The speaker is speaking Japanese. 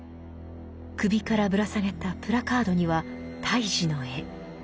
首からぶら下げたプラカードには胎児の絵。